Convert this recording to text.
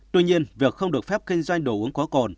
tuy nhiên việc không được phép kinh doanh đồ uống có cồn